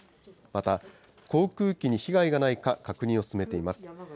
また、航空機に被害がないか確認を進めています。